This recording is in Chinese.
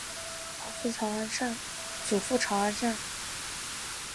祖父曹安善。